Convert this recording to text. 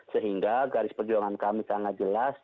sehingga garis perjuangan kami sangat jelas